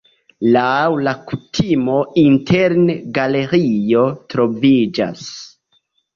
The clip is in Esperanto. Laŭ la kutimo interne galerio troviĝas.